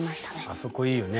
あそこいいよね